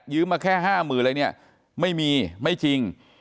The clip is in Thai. ยื้อมาแค่ห้ามือเลยเนี่ยไม่มีไม่จริง